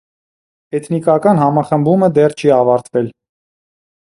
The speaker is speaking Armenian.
Էթնիկական համախմբումը դեռ չի ավարտվել։